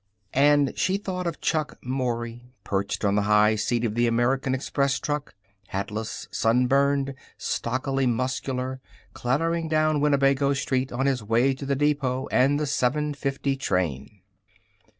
And she thought of Chuck Mory, perched on the high seat of the American Express truck, hatless, sunburned, stockily muscular, clattering down Winnebago Street on his way to the depot and the 7:50 train.